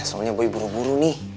soalnya boy buru nih